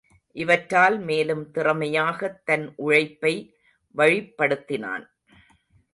இவற்றால் மேலும் திறமையாகத் தன் உழைப்பை வழிப்படுத்தினான்.